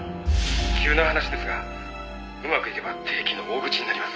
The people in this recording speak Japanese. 「急な話ですがうまくいけば定期の大口になります」